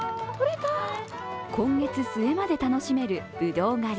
今月末まで楽しめるぶどう狩り。